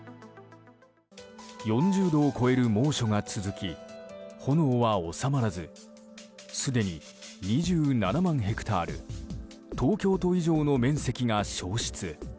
４０度を超える猛暑が続き炎は収まらずすでに２７万ヘクタール東京都以上の面積が焼失。